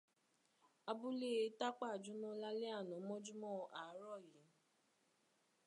Abúlé Tápà jóná lálé àná mọ́júmọ́ àárọ̀ yìí.